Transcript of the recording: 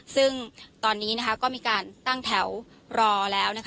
ซึ่งตอนนี้ก็มีการตั้งแถวรอแล้วนะคะ